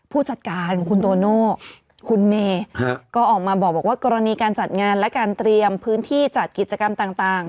ผู้จัดการของคุณโตโน่คุณเมย์ก็ออกมาบอกว่ากรณีการจัดงานและการเตรียมพื้นที่จัดกิจกรรมต่าง